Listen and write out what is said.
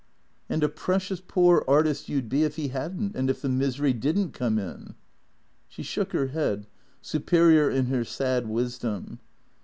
" And a precious poor artist you 'd be if he had n't, and if the misery did n't come in." She shook her head, superior in her sad wisdom.